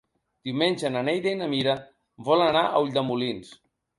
Diumenge na Neida i na Mira volen anar a Ulldemolins.